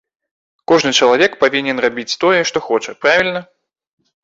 Кожны чалавек павінен рабіць тое, што хоча, правільна?